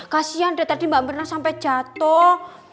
kasihan tadi mbak mernah sampai jatoh